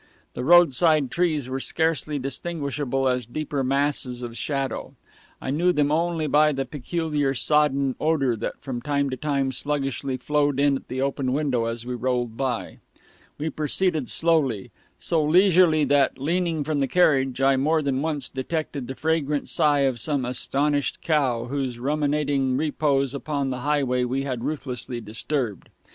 The roadside trees were scarcely distinguishable as deeper masses of shadow; I knew them only by the peculiar sodden odor that from time to time sluggishly flowed in at the open window as we rolled by. We proceeded slowly; so leisurely that, leaning from the carriage, I more than once detected the fragrant sigh of some astonished cow, whose ruminating repose upon the highway we had ruthlessly disturbed.